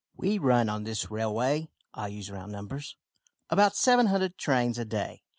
"We run on this railway (I use round numbers) about 700 trains a day.